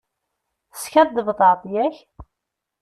Teskaddbeḍ-aɣ-d, yak?